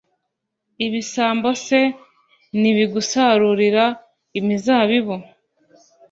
ibisambo se nibigusarurira imizabibu,